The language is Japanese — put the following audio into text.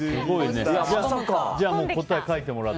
じゃあ、もう答え書いてもらって。